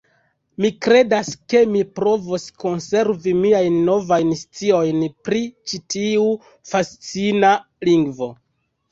Mi kredas ke mi provos konservi miajn novajn sciojn pri ĉi tiu fascina lingvo.